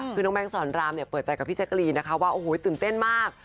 คือน้องแก๊งสอนรามเนี่ยเปิดใจกับพี่แจ๊กรีนนะคะว่าโอ้โหตื่นเต้นมาก